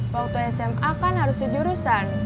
waktu sma kan harus di jurusan